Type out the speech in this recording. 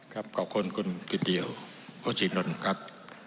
ครับขอบคุณคุณกิตเตียวโอชินนท์ครับ